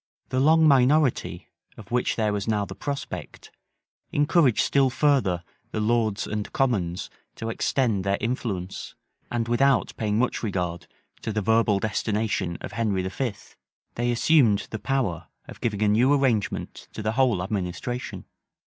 The long minority, of which there was now the prospect, encouraged still further the lords and commons to extend their influence; and without paying much regard to the verbal destination of Henry V., they assumed the power of giving a new arrangement to the whole administration.